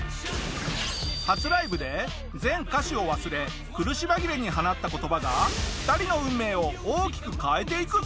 初ライブで全歌詞を忘れ苦し紛れに放った言葉が２人の運命を大きく変えていくぞ！